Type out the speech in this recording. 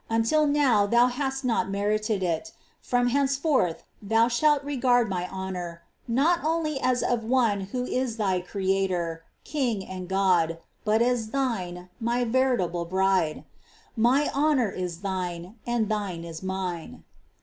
Until now thou hadst not merited it ; from henceforth thou shalt regard my honour, not only as of one who is Thy Creator, King, and God, but as thine. My veritable bride ; My honour is thine, and thine is Mine."